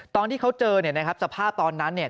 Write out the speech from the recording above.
ตอนที่เขาเจอเนี่ยนะครับสภาพตอนนั้นเนี่ย